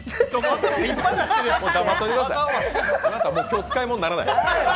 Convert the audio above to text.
あなたもう、今日、使い物にならない。